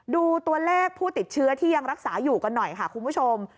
ดูตัวเลขผู้ติดเชื้อที่ยังรักษาอยู่กันหน่อยค่ะคุณผู้ชม